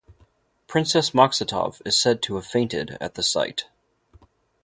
Princess Maksutov is said to have fainted at the sight.